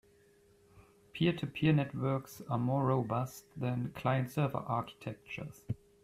Peer-to-peer networks are more robust than client-server architectures.